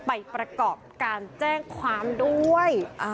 ไปประกอบการแจ้งความด้วย